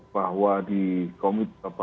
bahwa di komit